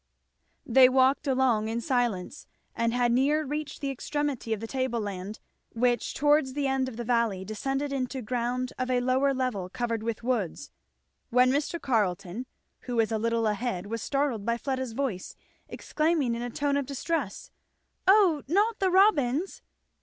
They walked along in silence, and had near reached the extremity of the table land, which towards the end of the valley descended into ground of a lower level covered with woods; when Mr. Carleton who was a little ahead was startled by Fleda's voice exclaiming in a tone of distress, "Oh not the robins!"